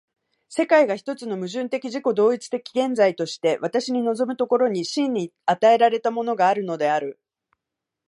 世界が一つの矛盾的自己同一的現在として私に臨む所に、真に与えられたものがあるのである。